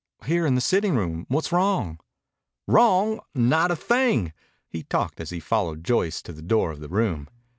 "Here. In the sitting room. What's wrong?" "Wrong! Not a thing!" He talked as he followed Joyce to the door of the room.